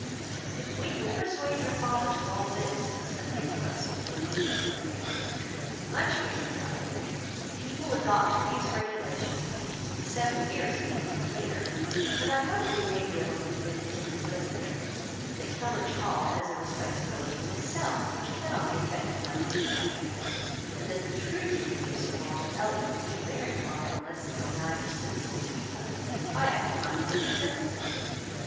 "If we can persuade your father to all this," said Lady Russell, looking over her paper, "much may be done. If he will adopt these regulations, in seven years he will be clear; and I hope we may be able to convince him and Elizabeth, that Kellynch Hall has a respectability in itself which cannot be affected by these reductions; and that the true dignity of Sir Walter Elliot will be very far from lessened in the eyes of sensible people, by acting like a man of principle.